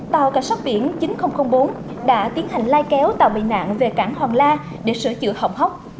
tàu cảnh sát biển chín nghìn bốn đã tiến hành lai kéo tàu bị nạn về cảng hòn la để sửa chữa hỏng hóc